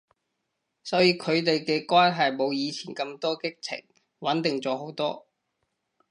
所以佢哋嘅關係冇以前咁多激情，穩定咗好多